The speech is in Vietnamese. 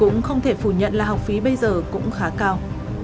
cũng không thể phủ nhận là học phí bây giờ cũng khá cao